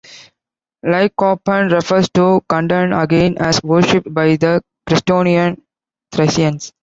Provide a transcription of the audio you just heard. Lycophron refers to Candaon again, as worshipped by the Crestonian Thracians.